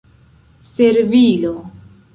servilo